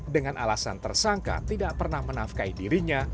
dengan alasan tersangka tidak pernah menafkai dirinya